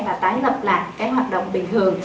và tái lập lại cái hoạt động bình thường